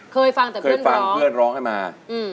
เคยฟังแต่เพื่อนฟังเพื่อนร้องให้มา